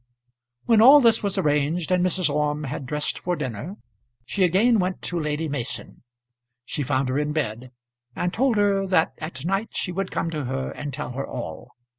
When all this was arranged and Mrs. Orme had dressed for dinner, she again went to Lady Mason. She found her in bed, and told her that at night she would come to her and tell her all.